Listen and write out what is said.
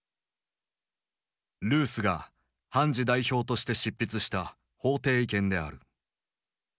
ルースが判事代表として執筆した法廷意見である。